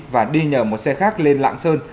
và đi nhờ một xe khác lên lạng sơn